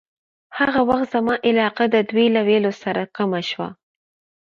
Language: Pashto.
هغه وخت زما علاقه د دوی له ویلو سره کمه شوه.